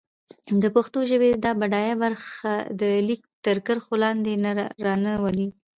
د پښتو ژبې دا بډايه برخه د ليک تر کرښو لاندې را نه ولي.